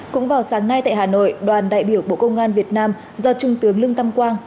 cũng vào sáng nay tại hà nội đoàn đại biểu bộ công an việt nam do trung tướng lương tâm quang